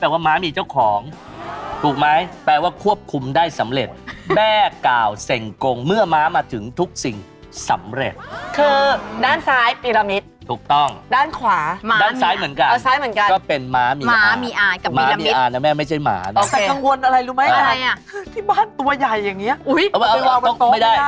แต่กังวลอะไรรู้ไหมอ่ะที่บ้านตัวใหญ่อย่างนี้ไปวางบนโต๊ะไม่ได้อ๋อไม่ได้